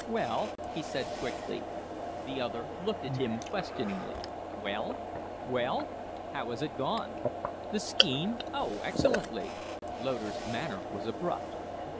"Well?" he said, quickly. The other looked at him questioningly. "Well? Well? How has it gone?" "The scheme? Oh, excellently!" Loder's manner was abrupt.